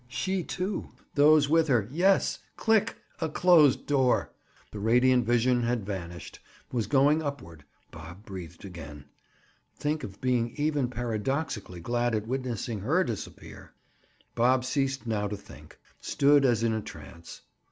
—She, too,—those with her—Yes—click! a closed door! The radiant vision had vanished, was going upward; Bob breathed again. Think of being even paradoxically glad at witnessing her disappear! Bob ceased now to think; stood as in a trance.